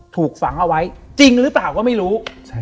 ถูกฝังเอาไว้จริงหรือเปล่าก็ไม่รู้